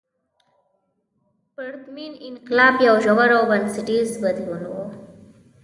پرتمین انقلاب یو ژور او بنسټیز بدلون و.